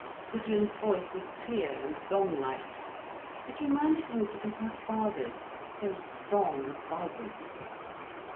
Gudrun's voice was clear and gong like. It reminded Rupert of her father's, so strong and vibrant.